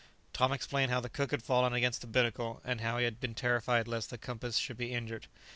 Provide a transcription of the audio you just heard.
Tom explained how the cook had fallen against the binnacle, and how he had been terrified lest the compass should be injured.